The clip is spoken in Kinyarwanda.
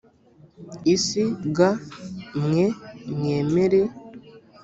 isi g mwe mwemere